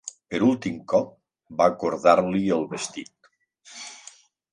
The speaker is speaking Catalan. Per últim cop, va cordar-li el vestit.